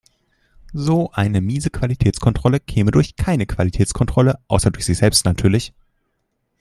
So eine miese Qualitätskontrolle käme durch keine Qualitätskontrolle, außer durch sich selbst natürlich.